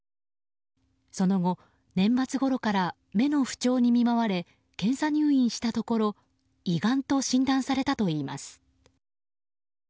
その後、年末ごろから目の不調に見舞われ検査入院したところ胃がんと診断されたといいます。